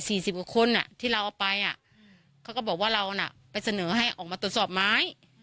สิบกว่าคนอ่ะที่เราเอาไปอ่ะเขาก็บอกว่าเราน่ะไปเสนอให้ออกมาตรวจสอบไม้